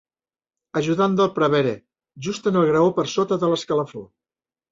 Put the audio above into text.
Ajudant del prevere, just en el graó per sota de l'escalafó.